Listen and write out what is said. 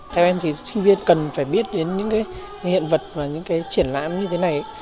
theo em thì sinh viên cần phải biết đến những hiện vật và những triển lãm như thế này